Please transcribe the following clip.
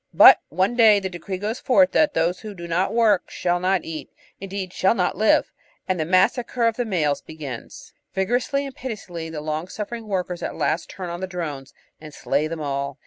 But one day the decree goes forth that those that do not work shall not eat, indeed shall not live ; and the massacre of the males begins. Vigorously and pitilessly the long suffering workers at last turn on the drones and slay them all.